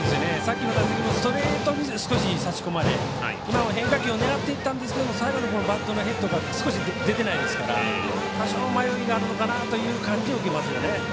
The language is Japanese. さっきの打席もストレートに差し込まれ今は変化球を狙っていったんですが最後のバットのヘッドが少し、出てないですから多少、迷いがあるのかなという感じを受けますね。